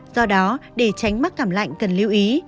do đó để tránh mắc cảm lạnh cần lưu ý